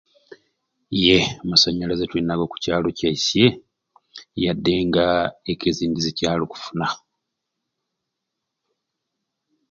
Yeee amasanyalaze tulinago oku kyalo kyaisye yadde nga eka ezindi zikyali kufuna